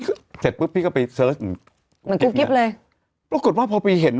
อืมเสร็จปุ๊บพี่ก็ไปเหมือนกุ๊บกิ๊บเลยแล้วก็กดว่าพอไปเห็น